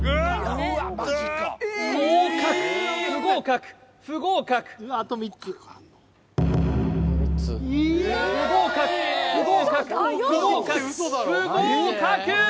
合格不合格不合格不合格不合格不合格不合格！